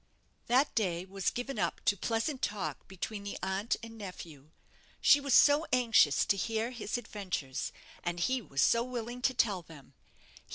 That day was given up to pleasant talk between the aunt and nephew. She was so anxious to hear his adventures, and he was so willing to tell them.